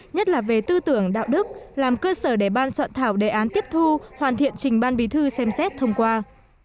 nhất là về tư tưởng đạo đức làm cơ sở để ban soạn thảo đề án tiếp thu hoàn thiện trình ban bí thư xem xét thông qua